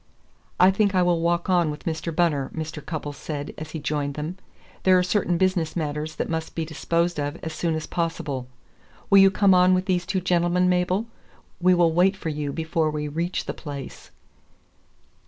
"I think I will walk on with Mr. Bunner," Mr. Cupples said as he joined them. "There are certain business matters that must be disposed of as soon as possible. Will you come on with these two gentlemen, Mabel? We will wait for you before we reach the place."